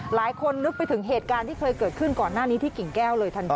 หลายคนนึกไปถึงเหตุการณ์ที่เคยเกิดขึ้นก่อนหน้านี้ที่กิ่งแก้วเลยทันที